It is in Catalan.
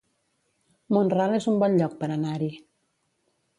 Mont-ral es un bon lloc per anar-hi